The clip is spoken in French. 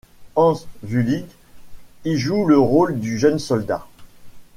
Hans Züllig y joue le rôle du jeune soldat.